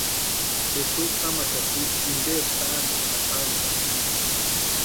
Jesus jamaxati interi taani atantʼani.